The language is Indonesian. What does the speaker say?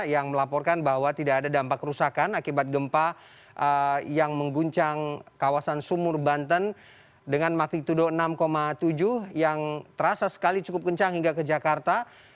yang melaporkan bahwa tidak ada dampak kerusakan akibat gempa yang mengguncang kawasan sumur banten dengan magnitudo enam tujuh yang terasa sekali cukup kencang hingga ke jakarta